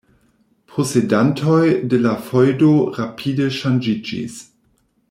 Posedantoj de la feŭdo rapide ŝanĝiĝis.